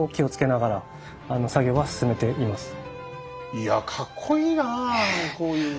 いやかっこいいなあこういうね。